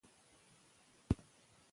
د زده کړې دوام د ټولنیز عدالت برخه ده.